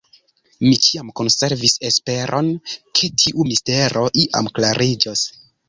Mi ĉiam konservis esperon, ke tiu mistero iam klariĝos.